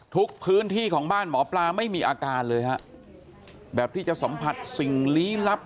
ทุกพื้นที่ของบ้านหมอปลาไม่มีอาการเลยฮะแบบที่จะสัมผัสสิ่งลี้ลับ